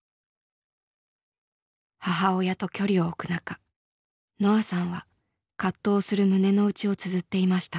母親と距離を置く中のあさんは葛藤する胸の内をつづっていました。